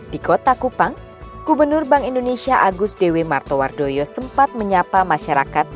di kota kupang gubernur bank indonesia agus dewi martowardoyo sempat menyapa masyarakat